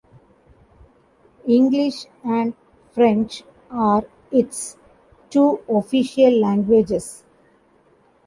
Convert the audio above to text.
English and French are its two official languages.